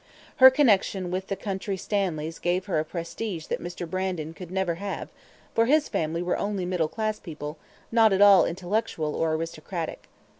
Her connection with the county Stanleys gave her a prestige that Mr. Brandon never could have, for his family were only middle class people, not at all intellectual or aristocratic.